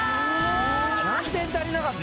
何点足りなかったの？